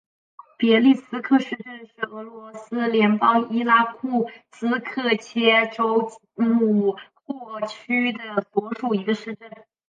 别利斯克市镇是俄罗斯联邦伊尔库茨克州切列姆霍沃区所属的一个市镇。